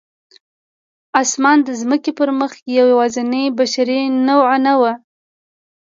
انسان د ځمکې پر مخ یواځینۍ بشري نوعه نه وه.